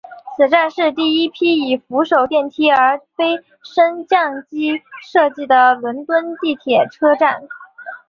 此站是第一批以扶手电梯而非升降机设计的伦敦地铁车站。